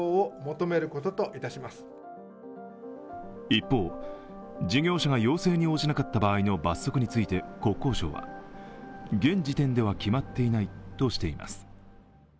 一方、事業者が要請に応じなかった場合の罰則について、国交省は現時点では決まっていないとしています。